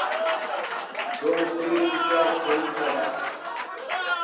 Dom Pedro de Alcântara